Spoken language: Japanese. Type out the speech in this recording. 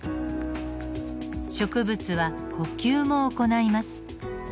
植物は呼吸も行います。